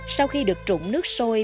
sau khi được trụng nước sôi